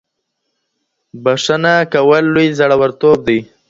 بښنه کول لوی زړور توب دی.